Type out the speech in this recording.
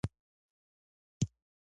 ادعا کوي چې غلام فاروق سرحدی وژل شوی ؤ